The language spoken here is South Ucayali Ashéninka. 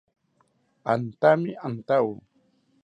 Antami antawo